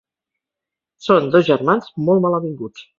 Són dos germans molt malavinguts.